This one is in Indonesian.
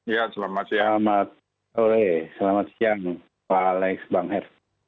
ya selamat siang pak alex bang her